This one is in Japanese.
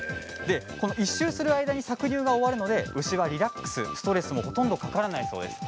１周する間に搾乳が終わるので牛がリラックスしストレスもほとんどかからないそうです。